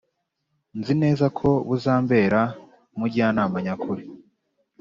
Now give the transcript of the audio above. nzi neza ko buzambera umujyanama nyakuri,